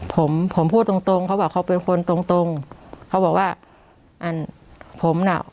ผมผมพูดตรงตรงเขาบอกเขาเป็นคนตรงตรงเขาบอกว่าอันผมน่ะ